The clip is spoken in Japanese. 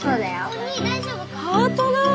ハートだ！